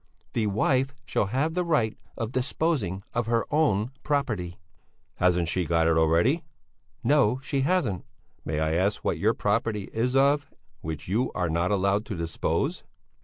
"The wife shall have the right of disposing of her own property." "Hasn't she got it already?" "No, she hasn't." "May I ask what your property is of which you are not allowed to dispose?"